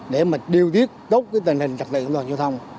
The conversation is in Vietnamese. để mà điều tiết tốt tình hình trật tự ẩn toàn giao thông